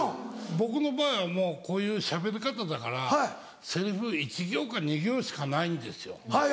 僕の場合はもうこういうしゃべり方だからセリフ１行か２行しかないんですよ。